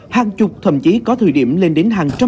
hàng chục thậm chí có thời điểm lên đến hàng trăm